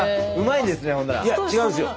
いや違うんですよ。